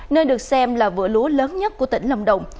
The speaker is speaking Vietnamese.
nơi được xem là vữa lúa lớn nhất của tỉnh lâm đồng